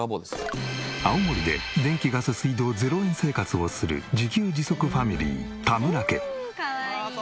青森で電気ガス水道０円生活をする自給自足ファミリー田村家。